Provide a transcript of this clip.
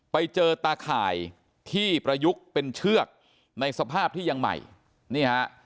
ไปเจอตาข่ายที่ประยุกต์เป็นเชือกในสภาพที่ยังใหม่นี่ฮะ